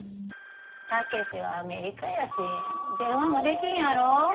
武志はアメリカやし電話もできんやろ？